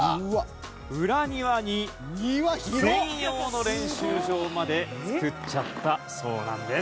「裏庭に専用の練習場まで作っちゃったそうなんです」